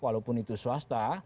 walaupun itu swasta